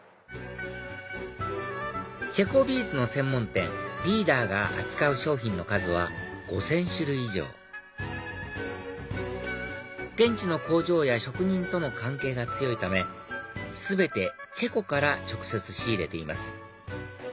チェコビーズの専門店ＢＥＡＤＥＲが扱う商品の数は５０００種類以上現地の工場や職人との関係が強いため全てチェコから直接仕入れています